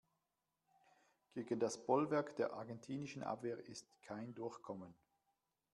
Gegen das Bollwerk der argentinischen Abwehr ist kein Durchkommen.